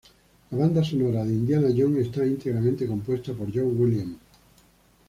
La banda sonora de Indiana Jones está íntegramente compuesta por John Williams.